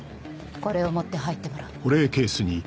これを持って入ってもらう。